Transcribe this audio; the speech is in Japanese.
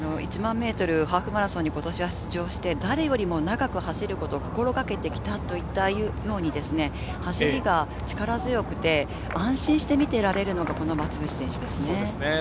１００００ｍハーフマラソンに今年は出場して誰よりも長く走ることを心がけてきたと言ったように走りが力強くて、安心して見ていられるのが増渕選手です。